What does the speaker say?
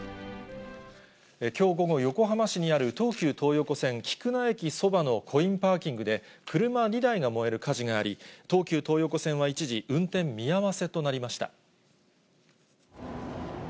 きょう午後、横浜市にある東急東横線菊名駅そばのコインパーキングで、車２台が燃える火事があり、東急東横線は一時、運転見合わせとなりました。